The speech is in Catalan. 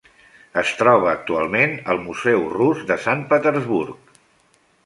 Es troba actualment al Museu Rus de Sant Petersburg.